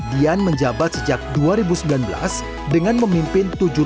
dian menjabat sejak dua ribu sembilan belas dengan memimpin